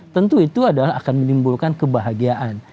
tentu itu adalah akan menimbulkan kebahagiaan